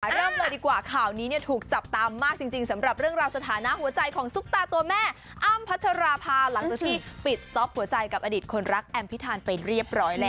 เริ่มเลยดีกว่าข่าวนี้ถูกจับตามมากจริงสำหรับเรื่องราวสถานะหัวใจของซุปตาตัวแม่อ้ำพัชราภาหลังจากที่ปิดจ๊อปหัวใจกับอดีตคนรักแอมพิธานไปเรียบร้อยแล้ว